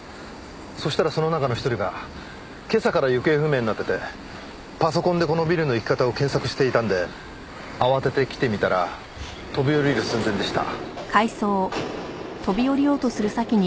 そしたらその中の一人が今朝から行方不明になっててパソコンでこのビルの行き方を検索していたので慌てて来てみたら飛び降りる寸前でした。